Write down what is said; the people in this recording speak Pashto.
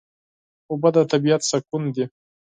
اوبه د طبیعت سکون ده.